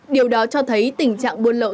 điều đó cho thấy tình trạng buôn lậu